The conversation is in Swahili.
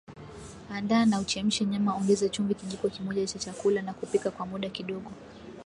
Andaa na uchemshe nyama ongeza chumvi kijiko kimoja cha chakula na kupika kwa muda kidogo